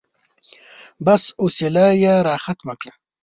بس، حوصله يې راختمه کړه.